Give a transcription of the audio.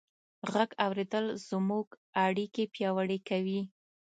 غږ اورېدل زموږ اړیکې پیاوړې کوي.